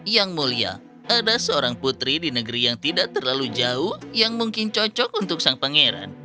yang mulia ada seorang putri di negeri yang tidak terlalu jauh yang mungkin cocok untuk sang pangeran